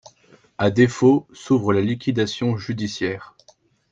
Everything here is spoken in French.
À défaut, s'ouvre la liquidation judiciaire.